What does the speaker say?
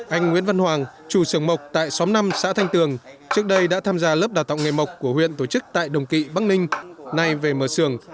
anh nguyễn văn hoàng chủ sưởng mộc tại xóm năm xã thanh tường trước đây đã tham gia lớp đào tạo nghề mộc của huyện tổ chức tại đồng kỵ bắc ninh nay về mở xưởng